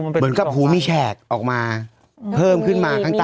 เหมือนกับหูมีแฉกออกมาเพิ่มขึ้นมาข้างใต้